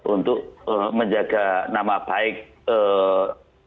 untuk menjaga nama baik diri dan jasa yang telah beliau berikan kepada bangsa dan negara